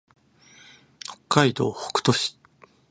北海道北斗市